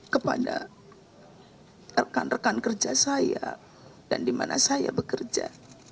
kepada rekan rekan kerja saya dan di mana saya bekerja